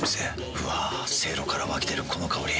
うわせいろから湧き出るこの香り。